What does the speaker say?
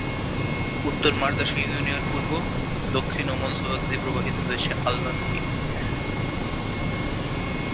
উত্তর মাদার্শা ইউনিয়নের পূর্ব, দক্ষিণ ও মধ্যভাগ দিয়ে প্রবাহিত হয়েছে হালদা নদী।